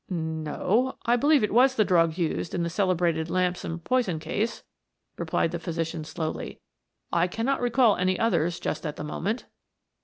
"N no. I believe it was the drug used in the celebrated Lamson poison case," replied the physician slowly. "I cannot recall any others just at the moment."